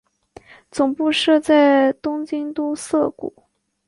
总部设在东京都涩谷。